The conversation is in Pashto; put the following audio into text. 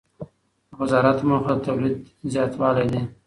د وزارت موخه د تولید زیاتوالی دی.